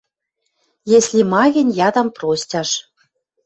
Если ма гӹнь, ядам простяш